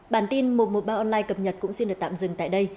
bản tin một trăm một mươi ba online cập nhật cũng xin được tạm dừng tại đây